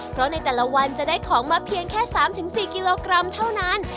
เพราะในแต่ละวันจะได้ของมาเพียงแค่๓๔กิโลกรัมเท่านั้น